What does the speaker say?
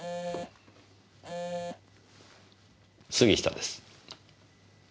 杉下です。